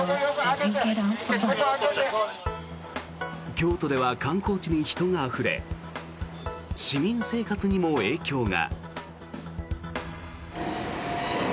京都では観光地に人があふれ市民生活にも影響が。